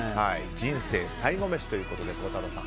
人生最後メシということで孝太郎さん。